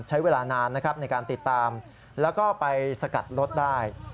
ใช้เวลานานนะครับในการติดตามแล้วก็ไปสกัดรถได้